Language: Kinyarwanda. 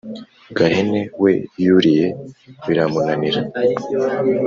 gahene we yuriye biramunanira,